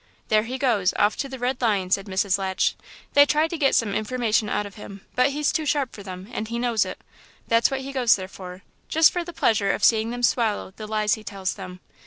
"There he goes, off to the 'Red Lion,'" said Mrs. Latch. "They try to get some information out of him, but he's too sharp for them, and he knows it; that's what he goes there for just for the pleasure of seeing them swallow the lies he tells them....